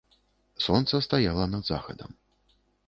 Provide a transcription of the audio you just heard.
Сонца стаяла над захадам.